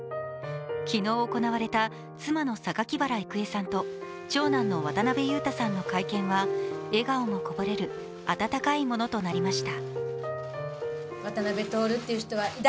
昨日行われた妻の榊原郁恵さんと長男の渡辺裕太さんの会見は、笑顔もこぼれる温かいものとなりました。